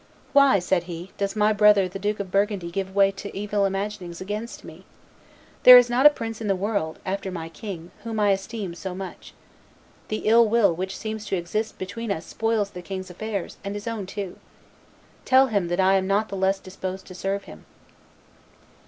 Why," said he, "does my brother the Duke of Burgundy give way to evil imaginings against me? There is not a prince in the world, after my king, whom I esteem so much. The ill will which seems to exist between us spoils the king's affairs and his own too. But tell him that I am not the less disposed to serve him."